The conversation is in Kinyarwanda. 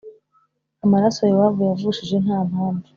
amaraso Yowabu yavushije nta mpamvu.